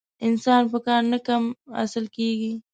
انسان په کار نه کم اصل کېږي.